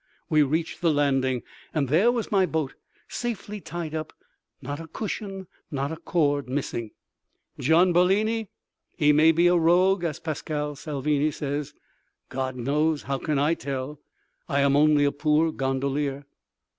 We reached the landing—and there was my boat, safely tied up, not a cushion nor a cord missing. Gian Bellini? He may be a rogue as Pascale Salvini says—God knows! How can I tell—I am only a poor gondolier!